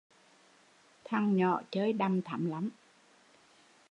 Thằng nhỏ chơi "đằm thắm" lắm